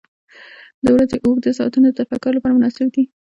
• د ورځې اوږده ساعتونه د تفکر لپاره مناسب دي.